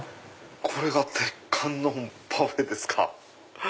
これが鉄観音パフェですか。